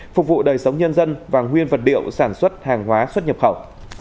phục vụ đời sống nhân dân và nguyên vật liệu sản xuất hàng hóa xuất nhập khẩu